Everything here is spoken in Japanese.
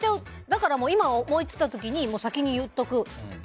だからもう思い立った時に先に言っておく。